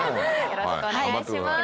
よろしくお願いします。